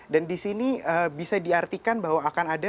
dan di sini bisa diartikan bahwa akan ada